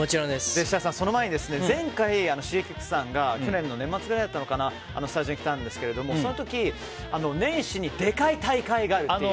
設楽さん、その前に前回Ｓｈｉｇｅｋｉｘさんが去年の年末くらいだったかなスタジオに来たんですけどその時に年始にでかい大会があると。